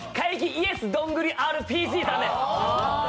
ＹｅｓどんぐりＲＰＧさんです。